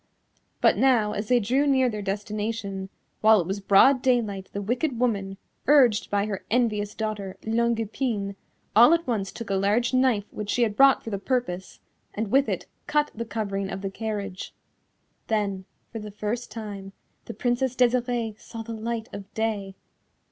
But now as they drew near their destination, while it was broad daylight the wicked woman, urged by her envious daughter, Longue Epine, all at once took a large knife which she had brought for the purpose, and with it cut the covering of the carriage. Then, for the first time, the Princess Desirée saw the light of day!!!